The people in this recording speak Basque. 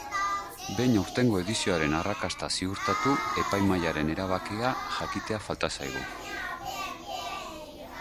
Behin aurtengo edizioaren arrakasta ziurtatu, epaimahaiaren erabakia jakitea falta zaigu.